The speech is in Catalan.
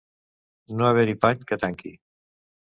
No haver-hi pany que tanqui.